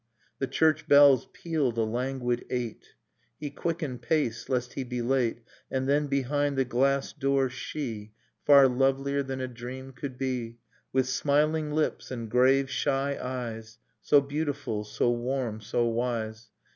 . The church bells pealed a languid eight: He quickened pace lest he be late ... And then, behind the glass door, she, Far lovelier than a dream could be, Dust in Starlight With smiling lips and grave shy eyes, So beautiful, so warm, so wise